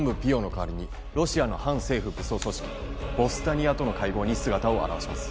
代わりにロシアの反政府武装組織ヴォスタニアとの会合に姿を現します